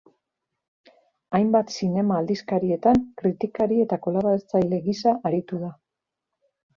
Hainbat zinema aldizkarietan kritikari eta kolaboratzaile gisa aritu da.